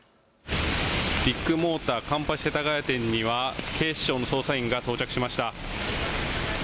ビッグモーター環八世田谷店には警視庁の捜査員が到着しました。